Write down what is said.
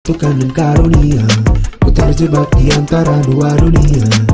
tukang dan karunia ku terjebak di antara dua dunia